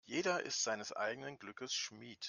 Jeder ist seines eigenen Glückes Schmied.